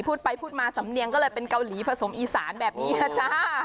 พูดไปพูดมาสำเนียงก็เลยเป็นเกาหลีผสมอีสานแบบนี้แหละจ้า